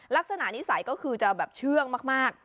ลักษณะนิสัยก็คือจะแบบเชื่องมาก